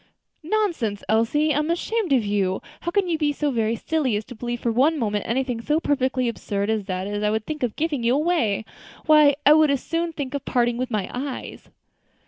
"Pooh! nonsense, Elsie! I am ashamed of you! how can you be so very silly as to believe for one moment anything so perfectly absurd as that I should think of giving you away? Why, I would as soon think of parting with my eyes."